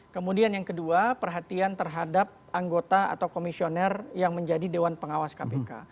kemudian yang kedua perhatian terhadap anggota atau komisioner yang menjadi dewan pengawas kpk